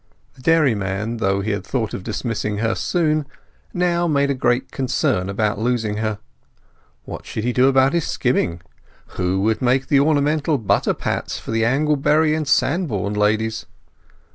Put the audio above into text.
The dairyman, though he had thought of dismissing her soon, now made a great concern about losing her. What should he do about his skimming? Who would make the ornamental butter pats for the Anglebury and Sandbourne ladies?